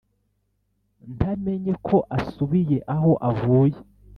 ntamenye ko asubiye aho avuye!